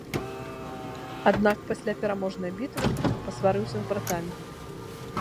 Аднак пасля пераможнай бітвы пасварыўся з братамі.